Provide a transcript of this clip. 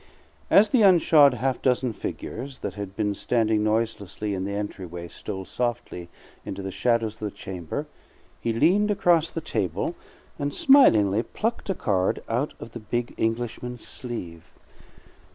As the unshod half dozen figures that had been standing noiselessly in the entryway stole softly into the shadows of the chamber, he leaned across the table and smilingly plucked a card out of the big Englishman's sleeve.